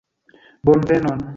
bonvenon